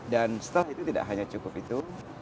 dan setelah itu tidak hanya cukup itu